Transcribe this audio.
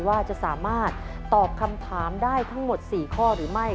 ว่าจะสามารถตอบคำถามได้ทั้งหมด๔ข้อหรือไม่